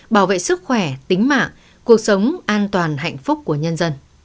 bảo vệ sức khỏe tính mạng cuộc sống an toàn hạnh phúc của nhân dân